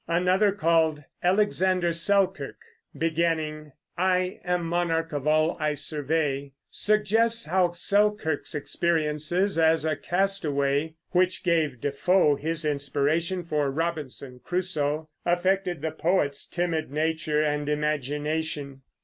Another, called "Alexander Selkirk," beginning, "I am monarch of all I survey," suggests how Selkirk's experiences as a castaway (which gave Defoe his inspiration for Robinson Crusoe) affected the poet's timid nature and imagination.